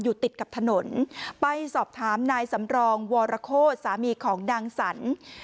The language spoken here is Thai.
ติดกับถนนไปสอบถามนายสำรองวรโคตรสามีของนางสรร